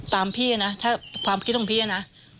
พี่นะถ้าความคิดของพี่นะ